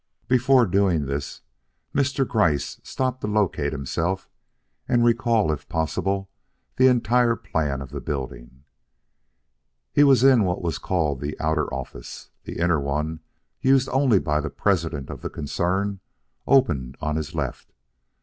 Before doing this, Mr. Gryce stopped to locate himself and recall if possible the entire plan of the building. He was in what was called the outer office. The inner one, used only by the president of the concern, opened on his left.